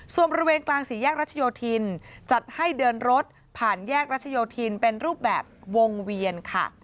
ส่วนบริเวณกลางสี่แยกรัชโยธินจัดให้เดินรถผ่านแยกรัชโยธินเป็นรูปแบบวงเวียนค่ะ